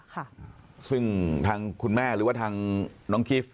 คือทางคุณแม่หรือว่าทางน้องกิฟส์